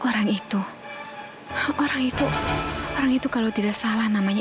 sampai jumpa di video selanjutnya